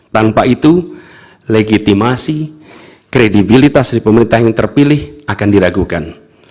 tanpa itu legitimasi kredibilitas dari pemerintah yang terpilih akan diragukan